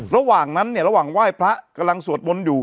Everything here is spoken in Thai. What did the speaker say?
ระหว่างนั้นเนี่ยระหว่างไหว้พระกำลังสวดมนต์อยู่